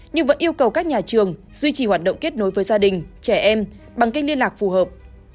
nhưng vẫn yêu cầu các nhà trường duy trì hoạt động kết nối với gia đình trẻ em bằng kênh liên lạc phù hợp